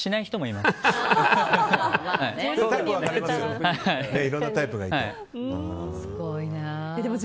いろんなタイプがいてね。